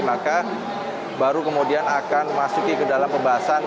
maka baru kemudian akan masuk ke dalam pembalasan